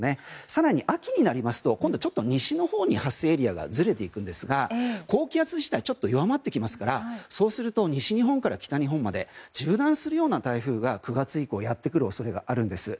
更に秋になりますと西のほうに発生エリアがずれていくんですが、高気圧自体ちょっと弱まりますからそうすると西日本から北日本まで縦断するような台風が９月以降やってくる恐れがあるんです。